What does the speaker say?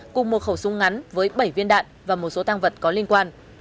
cùng một khẩu súng ngắn với bảy viên đạn và một số tăng vật có liên quan